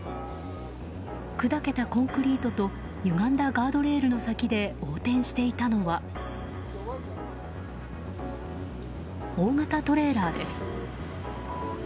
砕けたコンクリートとゆがんだガードレールの先で横転していたのは大型トレーラーです。